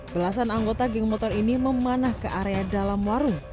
belasan anggota geng motor ini memanah ke area dalam warung